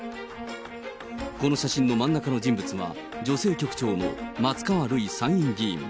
この写真の真ん中の人物は、女性局長の松川るい参院議員。